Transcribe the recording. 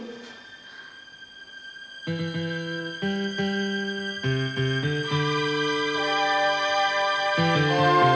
dan di rumah bapak